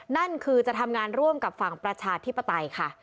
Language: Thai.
นั่นคือจะทำงานร่วมกับฝั่งประชาธิปไตยค่ะ